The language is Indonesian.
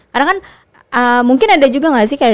karena kan mungkin ada juga gak sih